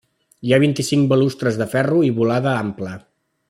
Hi ha vint-i-cinc balustres de ferro i volada ampla.